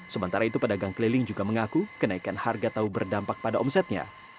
sementara itu pedagang keliling juga mengaku kenaikan harga tahu berdampak pada omsetnya